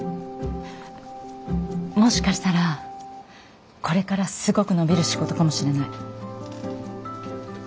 もしかしたらこれからすごく伸びる仕事かもしれない。